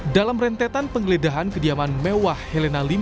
dalam rentetan pengeledahan kediaman mewah helena lim